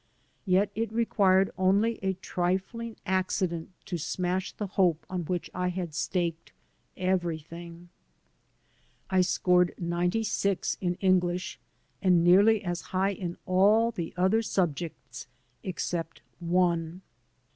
Yet it required only a trifling accident to smash the hope on which I had staked everything. I scored ninety six in English, and nearly as high in all the other subjects except one.